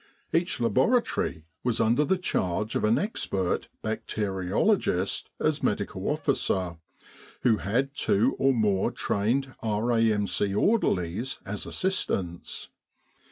Each laboratory was under the charge of an expert bacteriologist as M.O. who had two or more trained R.A.M.C. orderlies as assistants.